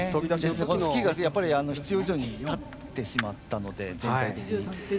スキーが必要以上に立ってしまったので、全体的に。